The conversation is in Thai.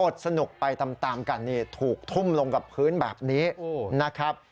สนุกไปตามกันนี่ถูกทุ่มลงกับพื้นแบบนี้นะครับ